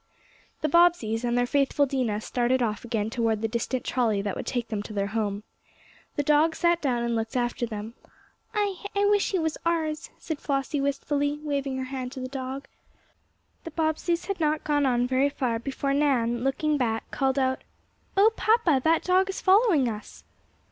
The Bobbseys and their faithful Dinah started off again toward the distant trolley that would take them to their home. The dog sat down and looked after them. "I I wish he was ours," said Flossie wistfully, waving her hand to the dog. The Bobbseys had not gone on very far before Nan, looking back, called out: "Oh, papa, that dog is following us!"